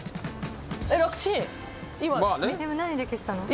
今何で消したの？